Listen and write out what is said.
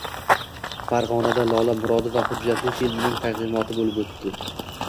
Farg‘onada “Lola Murodova” hujjatli filmining taqdimoti bo‘lib o‘tdi